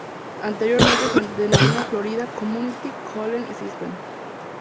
Anteriormente se denominaba Florida Community College System.